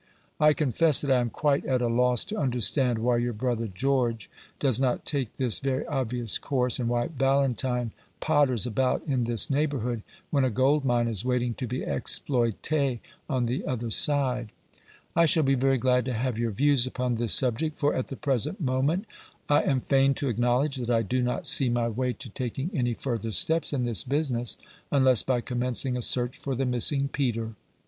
I confess that I am quite at a loss to understand why your brother George does not take this very obvious course, and why Valentine potters about in this neighbourhood, when a gold mine is waiting to be exploité on the other side. I shall be very glad to have your views upon this subject, for at the present moment I am fain to acknowledge that I do not see my way to taking any further steps in this business, unless by commencing a search for the missing Peter.